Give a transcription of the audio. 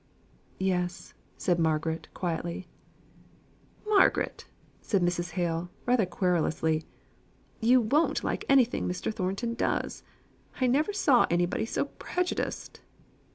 "Yes!" said Margaret, quietly. "Margaret!" said Mrs. Hale, rather querulously, "you won't like anything Mr. Thornton does. I never saw anybody so prejudiced."